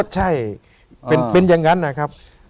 ใช่เป็นอย่างนั้นนะครับ